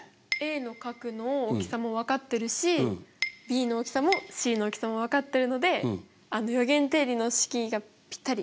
Ａの角の大きさも分かってるしｂの大きさもｃの大きさも分かってるので余弦定理の式がぴったり。